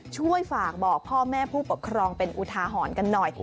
ช่วยฝากบอกพ่อแม่ผู้ปกครองเป็นอุทาหรณ์กันหน่อย